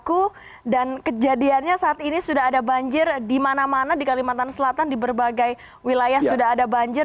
ku dan kejadiannya saat ini sudah ada banjir di mana mana di kalimantan selatan di berbagai wilayah sudah ada banjir